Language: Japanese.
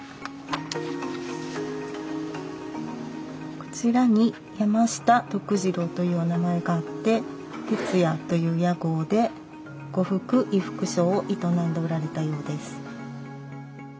こちらに山下徳治郎というお名前があって「てつや」という屋号で呉服衣服商を営んでおられたようです。